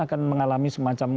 akan mengalami semacam